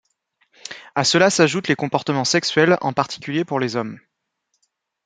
A cela s’ajoute les comportements sexuels, en particulier pour les hommes.